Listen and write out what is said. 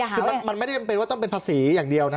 คือมันไม่ได้จำเป็นว่าต้องเป็นภาษีอย่างเดียวนะ